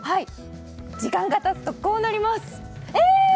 時間が経つとこうなります！